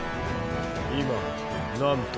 今なんと？